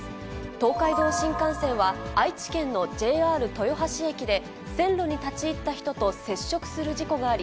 東海道新幹線は、愛知県のＪＲ豊橋駅で、線路に立ち入った人と接触する事故があり、